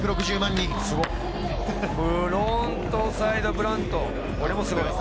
フロントサイドブラント。